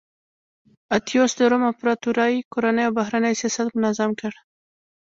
اتیوس د روم امپراتورۍ کورنی او بهرنی سیاست منظم کړ